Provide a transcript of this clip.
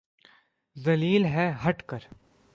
ذلیل ہے ہٹ کر